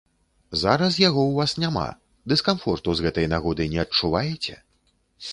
Зараз яго ў вас няма, дыскамфорту з гэтай нагоды не адчуваеце?